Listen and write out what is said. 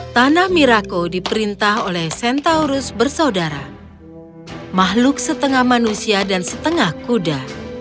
tanah mirako diperintah oleh centaurus bersaudara makhluk setengah manusia dan setengah kuda